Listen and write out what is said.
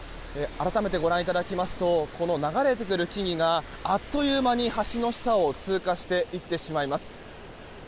改めてご覧いただきますとこの流れてくる木々があっという間に橋の下を通過していってしまいます。